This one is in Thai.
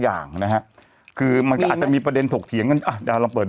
อย่างนะฮะคือมันก็อาจจะมีประเด็นถกเถียงกันอ่ะดาวเราเปิด